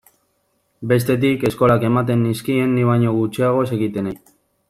Bestetik, eskolak ematen nizkien ni baino gutxiago zekitenei.